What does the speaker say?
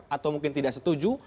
atau mungkin tidak setuju